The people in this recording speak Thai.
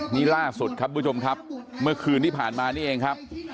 นี่ล่าสุดครับทุกผู้ชมครับเมื่อคืนที่ผ่านมานี่เองครับ